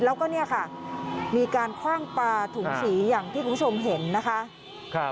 แล้วก็เนี่ยค่ะมีการคว่างปลาถุงสีอย่างที่คุณผู้ชมเห็นนะคะ